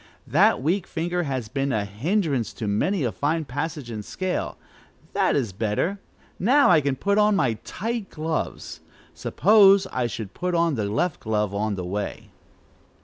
That weak finger has been a hindrance to many a fine passage and scale. That is better! Now I can put on my tight gloves. Suppose I should put on the left glove on the way."